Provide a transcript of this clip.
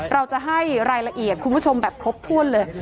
เราจะให้รายละเอียดคุณผู้ชมแบบครบถ้วนเลย